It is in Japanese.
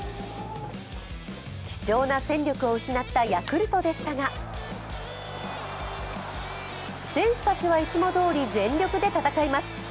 貴重な戦力を失ったヤクルトでしたが選手たちはいつもどおり全力で戦います。